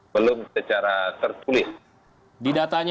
belum secara tertulis